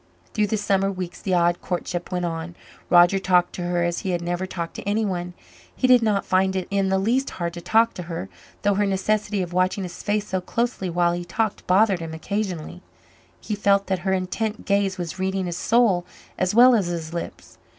Through the summer weeks the odd courtship went on. Roger talked to her as he had never talked to anyone. He did not find it in the least hard to talk to her, though her necessity of watching his face so closely while he talked bothered him occasionally. He felt that her intent gaze was reading his soul as well as his lips.